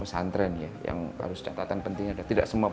saya tetap berdoa